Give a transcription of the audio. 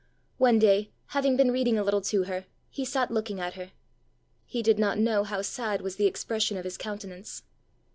One day, having been reading a little to her, he sat looking at her. He did not know how sad was the expression of his countenance.